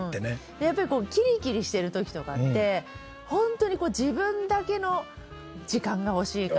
でやっぱりこうキリキリしてる時とかってホントに自分だけの時間が欲しいから。